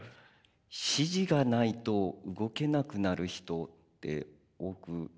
指示がないと動けなくなる人って多くないですかね？